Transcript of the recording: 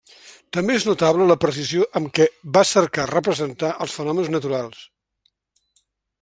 També és notable la precisió amb què va cercar representar els fenòmens naturals.